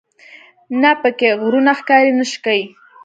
نه په کې غرونه ښکاري نه شګې.